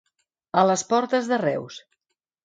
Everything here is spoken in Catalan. A les portes de Reus.